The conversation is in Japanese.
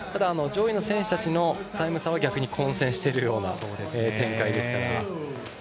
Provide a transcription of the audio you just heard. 上位の選手たちのタイム差は逆に混戦しているような展開ですから。